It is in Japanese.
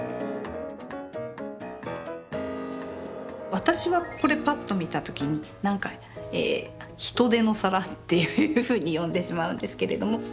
私はこれパッと見た時になんか「ヒトデの皿」っていうふうに呼んでしまうんですけれども。